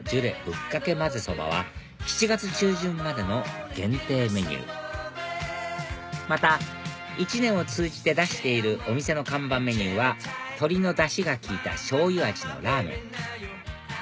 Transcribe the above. ぶっかけまぜそば」は７月中旬までの限定メニューまた一年を通じて出しているお店の看板メニューは鶏のダシが効いたしょうゆ味のラーメン